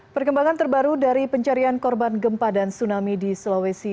perkembangan terbaru dari pencarian korban gempa dan tsunami di sulawesi